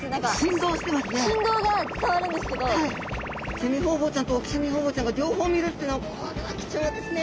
セミホウボウちゃんとオキセミホウボウちゃんが両方見れるっていうのはこれは貴重ですね。